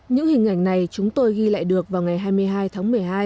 những hình ảnh này chúng tôi ghi lại được vào ngày hai mươi hai tháng một mươi hai